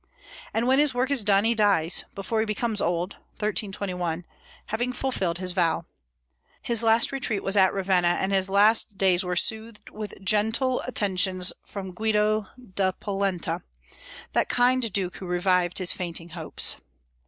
And when his work is done he dies, before he becomes old (1321), having fulfilled his vow. His last retreat was at Ravenna, and his last days were soothed with gentle attentions from Guido da Polenta, that kind duke who revived his fainting hopes.